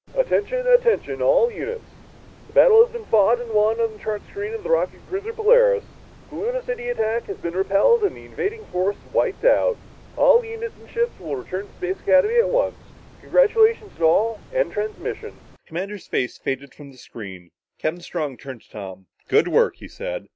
"Attention! Attention all units! The battle has been fought and won on the chart screen of the rocket cruiser Polaris. The Luna City attack has been repelled and the invading fleet wiped out. All units and ships will return to Space Academy at once. Congratulations to all and end transmission." The commander's face faded from the screen. Captain Strong turned to Tom. "Good work," he said.